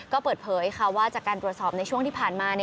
ก็เปิดเผยค่ะว่าจากการตรวจสอบในช่วงที่ผ่านมา